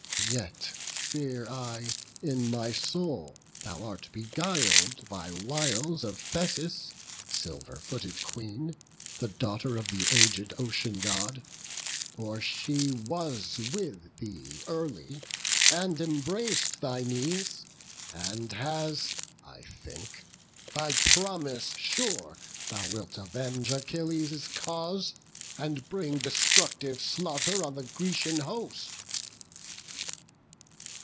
Yet fear I in my soul thou art beguil'd By wiles of Thetis, silver footed Queen, The daughter of the aged Ocean God; For she was with thee early, and embrac'd Thy knees, and has, I think, thy promise sure, Thou wilt avenge Achilles' cause, and bring Destructive slaughter on the Grecian host."